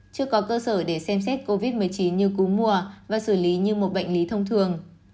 chưa có cơ sở để xem xét covid một mươi chín như cú mùa và xử lý như một bệnh lý thông thường